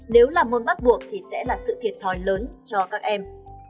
nếu là môn bắt buộc thì sẽ là sự thiệt thòi lớn cho các em